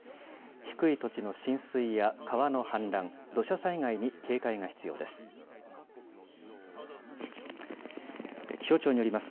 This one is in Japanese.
低い土地の浸水や川の氾濫、土砂災害に警戒が必要です。